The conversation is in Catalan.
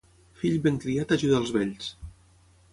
Fill ben criat ajuda els vells.